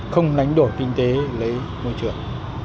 không nánh đổi kinh tế lấy môi trường